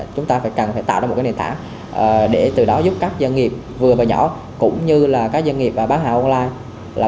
chúng tôi cần tạo ra một nền tảng để giúp các doanh nghiệp vừa và nhỏ cũng như các doanh nghiệp bán hàng online